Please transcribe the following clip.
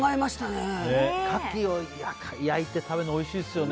カキを焼いて食べるのがおいしいですよね。